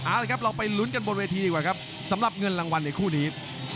เอาละครับเราไปลุ้นกันบนเวทีดีกว่าครับสำหรับเงินรางวัลในคู่นี้